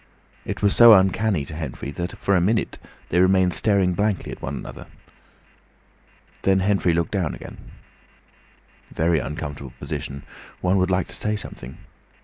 It was so uncanny to Henfrey that for a minute they remained staring blankly at one another. Then Henfrey looked down again. Very uncomfortable position! One would like to say something.